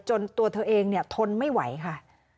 จนตัวเธอเองทนไม่ไหวค่ะ